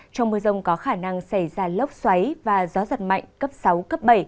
trong mưa rông có khả năng xảy ra lốc xoáy và gió giật mạnh cấp sáu cấp bảy